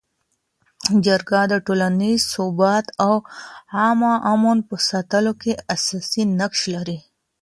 جرګه د ټولنیز ثبات او عامه امن په ساتلو کي اساسي نقش لري.